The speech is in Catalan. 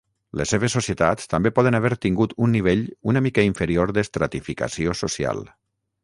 Les seves societats també poden haver tingut un nivell una mica inferior d'estratificació social.